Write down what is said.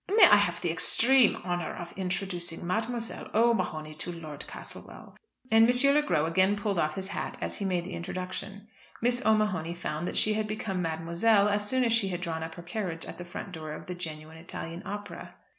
"May I have the extreme honour of introducing Mademoiselle O'Mahony to Lord Castlewell?" and M. Le Gros again pulled off his hat as he made the introduction. Miss O'Mahony found that she had become Mademoiselle as soon as she had drawn up her carriage at the front door of the genuine Italian Opera.